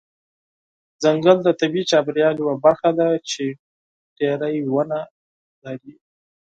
ځنګل د طبیعي چاپیریال یوه برخه ده چې ډیری ونه لري.